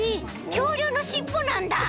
きょうりゅうのしっぽなんだ。